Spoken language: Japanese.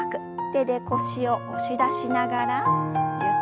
手で腰を押し出しながらゆっくりと後ろ。